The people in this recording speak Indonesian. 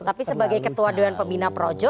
jadi sebagai ketua doan pembina projo